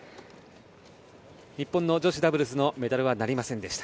日本の女子ダブルスのメダルはなりませんでした。